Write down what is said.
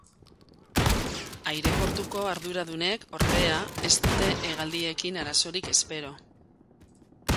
Aireportuko arduradunek, ordea, ez dute hegaldiekin arazorik espero.